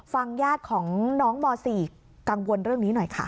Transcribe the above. ญาติของน้องม๔กังวลเรื่องนี้หน่อยค่ะ